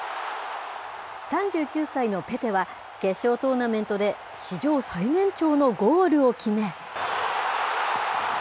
３９歳のペペは、決勝トーナメントで史上最年長のゴールを決め。